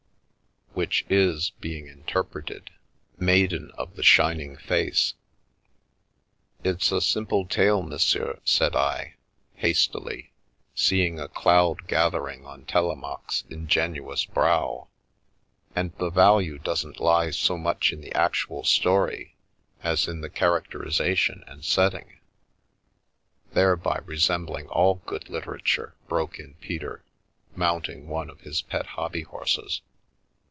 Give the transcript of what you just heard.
Which is, being interpreted, Maiden of the shining face." " It's a simple tale, monsieur," said I, hastily, seeing 286 «««•• Via Amoris a cloud gathering on Telemaque's ingenuous brow, " and the value doesn't lie so much in the actual story as in the characterisation and setting "" Thereby resembling all good literature," broke in Peter, mounting one of his pet hobby horses.